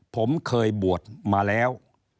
ผมเคยบวชมาแล้ว